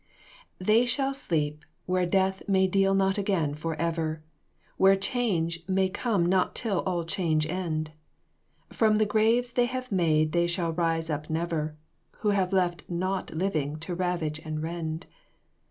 "They shall sleep Where death may deal not again forever, Where change may come not till all change end. From the graves they have made they shall rise up never, Who have left naught living to ravage and rend.